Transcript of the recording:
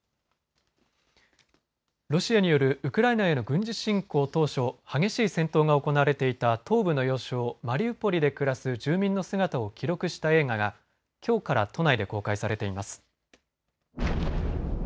ロシアによるウクライナへの軍事侵攻当初激しい戦闘が行われていた東部の要衝マリウポリで暮らす住民の姿を記録した映画がきょうから都内で公開されています。